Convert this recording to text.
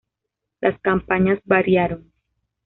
Las campañas variaron.